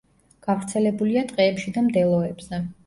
გავრცელებულია ტყეებში და მდელოებზე.